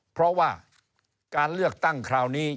เพราะว่าการเลือกตั้งคราวนี้